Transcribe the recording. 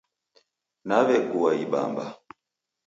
Naw'egua ibamba